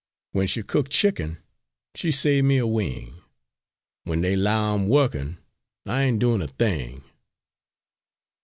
W'en she cook chicken, she save me a wing; W'en dey 'low I'm wo'kin', I ain' doin' a thing!"